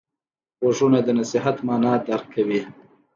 غوږونه د نصیحت معنی درک کوي